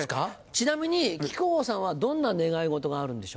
ちなみに木久扇さんはどんな願い事があるんでしょうか？